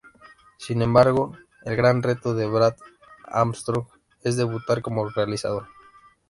Sin embargo, el gran reto de Brad Armstrong es debutar como realizador.